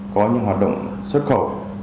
có những hoạt động xuất khẩu